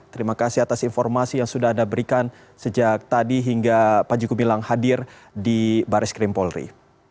terima kasih atas informasi yang sudah anda berikan sejak tadi hingga panji gumilang hadir di baris krim polri